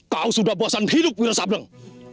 kau sudah bosan hidup wira sableng